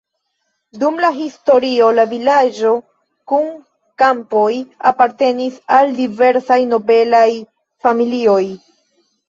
Dum la historio la vilaĝo kun kampoj apartenis al diversaj nobelaj familioj.